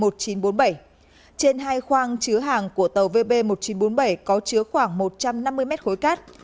trên hai khoang chứa hàng của tàu vb một nghìn chín trăm bốn mươi bảy có chứa khoảng một trăm năm mươi mét khối cát